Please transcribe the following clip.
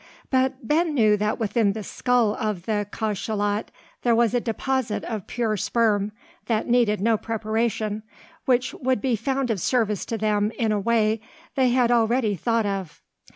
But Ben knew that within the skull of the cachalot there was a deposit of pure sperm, that needed no preparation, which would be found of service to them in a way they had already thought of.